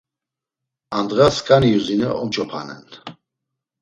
“A ndğa sǩani yuzine omç̌opanen.”